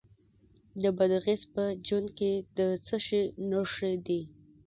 د بادغیس په جوند کې د څه شي نښې دي؟